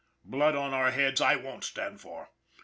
Blood on our heads I won't stand for.